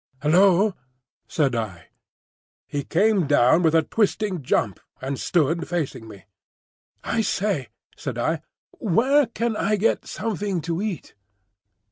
"Hullo!" said I. He came down with a twisting jump, and stood facing me. "I say," said I, "where can I get something to eat?"